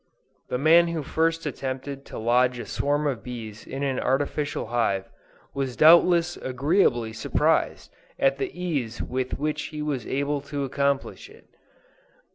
The man who first attempted to lodge a swarm of bees in an artificial hive, was doubtless agreeably surprised at the ease with which he was able to accomplish it.